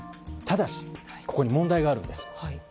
ただし、ここに問題があるんです。